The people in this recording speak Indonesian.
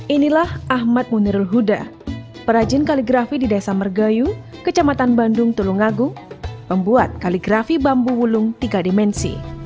inilah ahmad munirul huda perajin kaligrafi di desa mergayu kecamatan bandung tulungagung pembuat kaligrafi bambu wulung tiga dimensi